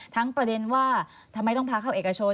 ประเด็นว่าทำไมต้องพาเข้าเอกชน